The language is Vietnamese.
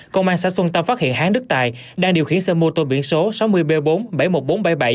công an xã xuân tâm phát hiện hán đức tài đang điều khiển xe mô tô biển số sáu mươi b bốn bảy mươi một nghìn bốn trăm bảy mươi bảy